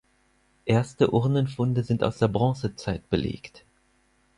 Erste Urnenfunde sind aus der Bronzezeit belegt.